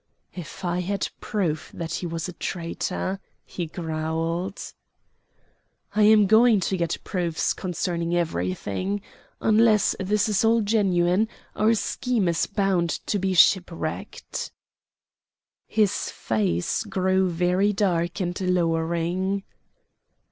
"If I had proof that he was a traitor!" he growled. "I am going to get proofs concerning everything. Unless this is all genuine, our scheme is bound to be shipwrecked." His face grew very dark and lowering.